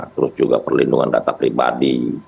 terus juga perlindungan data pribadi